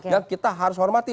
yang kita harus hormati